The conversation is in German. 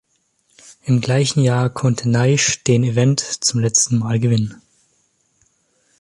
Im gleichen Jahr konnte Naish den Event zum letzten Mal gewinnen.